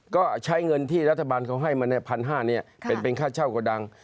ก็ใช้เงินที่รัฐบาลเขาให้มา๑๕๐๐บาทเป็นค่าเช่ากระดัง